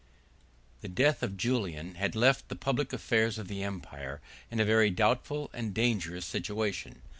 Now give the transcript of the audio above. The death of Julian had left the public affairs of the empire in a very doubtful and dangerous situation.